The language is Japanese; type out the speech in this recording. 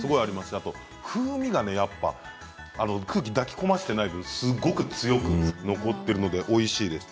あと風味がやっぱ空気を抱き込ませていないとすごく強く残っているのでおいしいです。